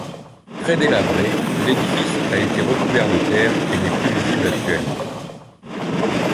Très délabré, l'édifice a été recouvert de terre et n'est plus visible actuellement.